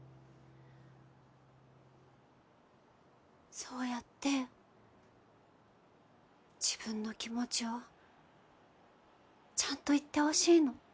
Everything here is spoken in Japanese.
そうやって自分の気持ちをちゃんと言ってほしいの。